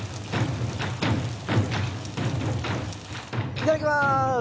いただきます。